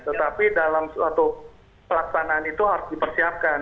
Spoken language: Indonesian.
tetapi dalam suatu pelaksanaan itu harus dipersiapkan